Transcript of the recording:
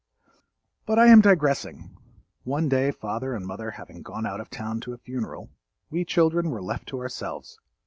But I am digressing. One day father and mother having gone out of town to a funeral, we children were left to ourselves.